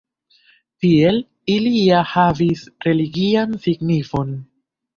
Tiel ili ja havis religian signifon.